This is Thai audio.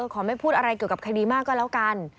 ขอไม่พูดอะไรเกี่ยวกับคดีมากก็แล้วกัน